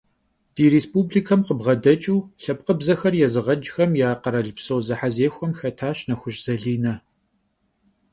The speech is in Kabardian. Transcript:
Di rêspublikem khıbğedeç'ıu lhepkhıbzexer yêzığecxem ya kheralpso zehezexuem xetaş Nexuş Zaline.